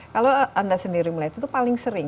kalau anda sendiri melihat itu paling sering